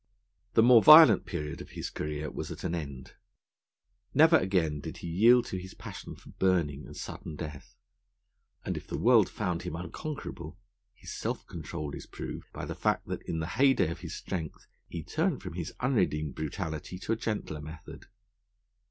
The more violent period of his career was at an end. Never again did he yield to his passion for burning and sudden death; and, if the world found him unconquerable, his self control is proved by the fact that in the heyday of his strength he turned from his unredeemed brutality to a gentler method.